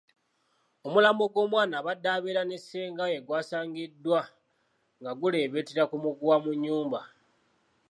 Omulambo gw'omwana abadde abeera ne ssenga we gwasangiddwa nga guleebeetera ku muguwa mu nnyumba.